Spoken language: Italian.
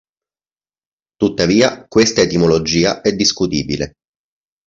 Tuttavia, questa etimologia è discutibile.